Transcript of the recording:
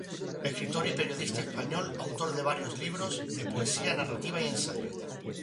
Escritor y periodista español, autor de varios libros de poesía, narrativa y ensayo.